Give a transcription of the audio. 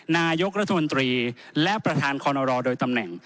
นายกรัฐมนตรีและประธานคอนรอโดยตำแหน่ง